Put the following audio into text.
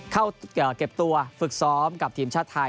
เข้าเก็บตัวฝึกซ้อมกับทีมชาติไทย